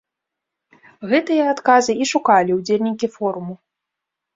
Гэтыя адказы і шукалі ўдзельнікі форуму.